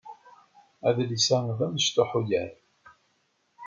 Adlis-a d amecṭuḥ ugar.